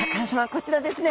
こちらですね。